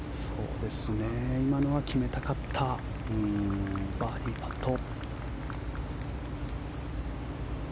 今のは決めたかったバーディーパット。